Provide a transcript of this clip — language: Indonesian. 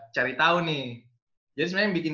cari tau nih jadi sebenernya yang bikin